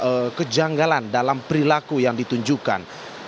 ada kejanggalan dalam perilaku yang ditunjukkan